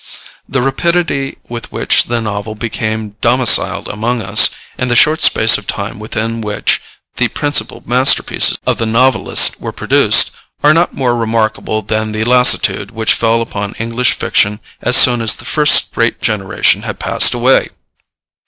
The rapidity with which the novel became domiciled among us, and the short space of time within which the principal masterpieces of the novelists were produced, are not more remarkable than the lassitude which fell upon English fiction as soon as the first great generation had passed away.